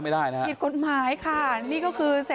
อ๋อไม่ได้เล่นยาได้ไหม